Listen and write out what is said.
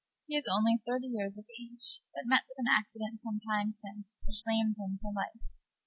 He is only thirty years of age, but met with an accident some time since, which lamed him for life.